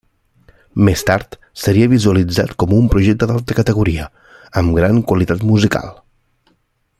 Més tard seria visualitzat com un projecte d'alta categoria, amb gran qualitat musical.